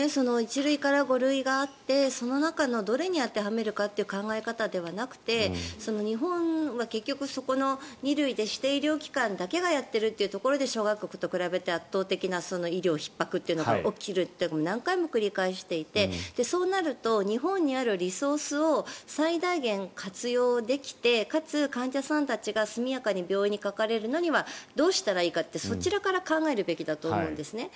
１類から５類があってその中のどれに当てはめるかという考え方ではなくて結局、そこの２類で指定医療機関だけがやっているっていうところで諸外国と比べて圧倒的な医療ひっ迫が起きるというのを何回も繰り返していてそうなると日本にあるリソースを最大限活用できてかつ、患者さんたちが速やかに病院にかかれるかにはどうしたらいいかってそちらから考えるべきだと思うんですね。